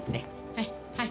はいはい。